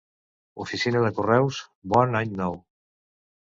Oficina de correus. Bon any nou!